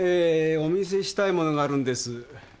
お見せしたいものがあるんです。